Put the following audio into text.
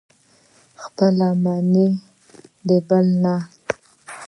خپله ومني، د بل نه.